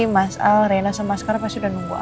mas al reina sama skara pasti udah nunggu aku